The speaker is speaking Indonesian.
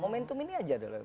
momentum ini aja dong